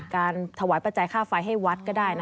การถวายปัจจัยค่าไฟให้วัดก็ได้